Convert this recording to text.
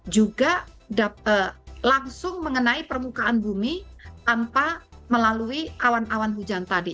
juga langsung mengenai permukaan bumi tanpa melalui awan awan hujan tadi